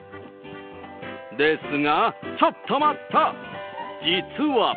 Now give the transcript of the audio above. ですが、ちょっと待った。